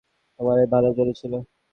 তোরই ভালোর জন্য ছিল।